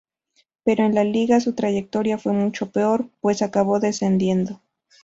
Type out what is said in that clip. Pero en la Liga su trayectoria fue mucho peor, pues acabó descendiendo.